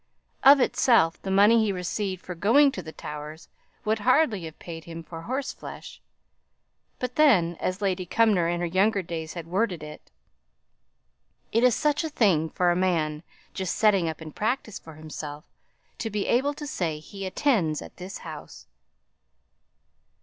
Of itself the money he received for going to the Towers would hardly have paid him for horse flesh, but then, as Lady Cumnor in her younger days had worded it, "It is such a thing for a man just setting up in practice for himself to be able to say he attends at this house!"